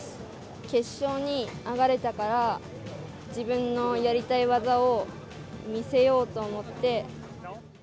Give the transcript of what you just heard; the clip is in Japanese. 決勝に上がれたから、自分のやりたい技を見せようと思って。